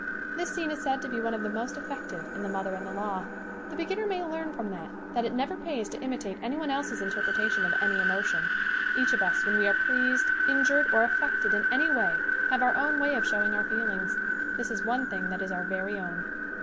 This scene is said to be one of the most ef fective in "The Mother and the Law." The beginner may learn from that that it never pays to imitate anyone else's interpre tation of any emotion. Each of us when we are pleased, injured, or affected in any way have our own way of showing our feelings. This is one thing that is our very own.